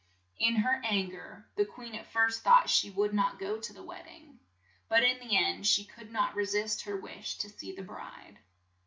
In her an ger the queen at first thought she would not go to the wed ding, but in the end she could not re sist her wish to see the bride.